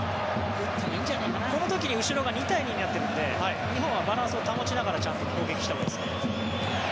この時に後ろが２対２になっているので日本はバランスを保ちながらちゃんと攻撃をしたほうがいいです。